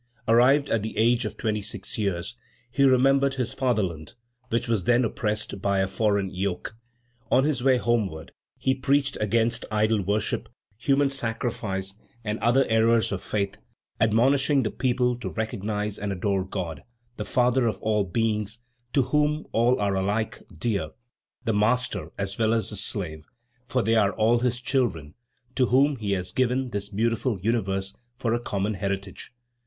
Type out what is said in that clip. Arrived at the age of twenty six years, he remembered his fatherland, which was then oppressed by a foreign yoke. On his way homeward, he preached against idol worship, human sacrifice, and other errors of faith, admonishing the people to recognize and adore God, the Father of all beings, to whom all are alike dear, the master as well as the slave; for they all are his children, to whom he has given this beautiful universe for a common heritage.